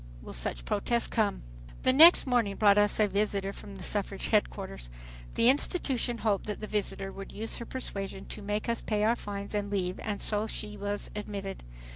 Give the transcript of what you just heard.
Will such protest come? The next morning brought us a visitor from suffrage headquarters. The institution hoped that the visitor would use her persuasion to make us pay our fines and leave and so she was admitted.